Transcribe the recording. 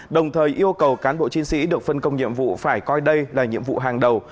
đồng thời yêu cầu cán bộ chiến sĩ được phân công nhiệm vụ phải coi đây là nhiệm vụ hàng đầu